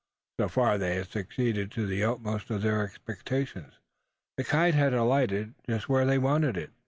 So far they had succeeded to the utmost of their expectations. The kite had alighted, just where they wanted it.